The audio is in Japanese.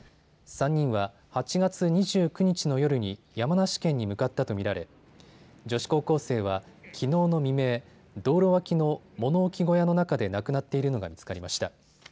３人は８月２９日の夜に山梨県に向かったと見られ女子高校生はきのうの未明、道路脇の物置小屋の中で亡くなっているのが見つかりました。